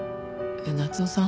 夏雄さん